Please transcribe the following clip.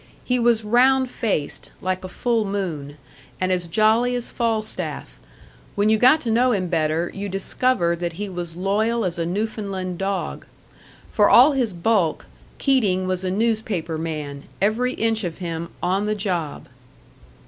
He was round faced, like a full moon, and as jolly as Falstaff; when you got to know him better, you discovered that he was loyal as a Newfoundland dog. For all his bulk, Keating was a newspaper man, every inch of him "on the job."